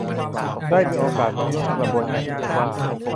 ได้มีโอกาสมาร่วมกระบวนการที่เรียกว่า